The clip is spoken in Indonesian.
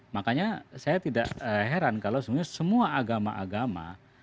makanya saya tidak heran kalau sebenarnya semua agama agama